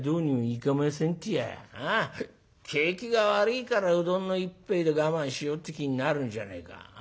景気が悪いからうどんの一杯で我慢しようって気になるんじゃねえか。